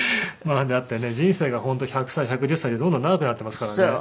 だってね人生が本当１００歳１１０歳ってどんどん長くなってますからね。